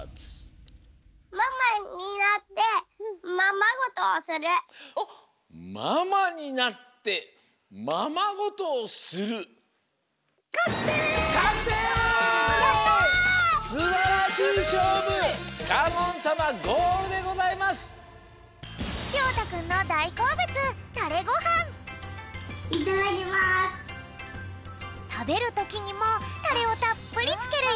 たべるときにもタレをたっぷりつけるよ！